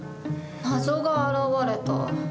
謎が現れた。